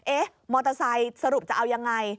เอ๊ะมอเตอร์ไซค์สรุปจะเอายังไง